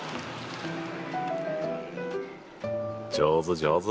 上手上手。